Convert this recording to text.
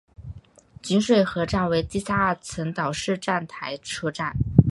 锦水河站为地下二层岛式站台车站。